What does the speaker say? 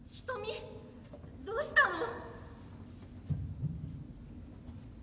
どうしたの？